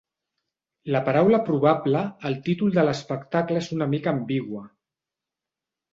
La paraula "probable" al títol de l'espectacle és una mica ambigua.